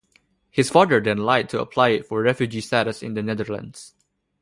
His father then lied to apply for refugee status in The Netherlands.